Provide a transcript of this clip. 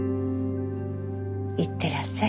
いってらっしゃい。